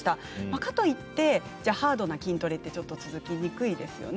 かといってハードな筋トレは続きにくいですよね。